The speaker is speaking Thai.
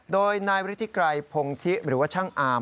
โดยนายฤทธิไกรพงธิหรือว่าช่างอาร์ม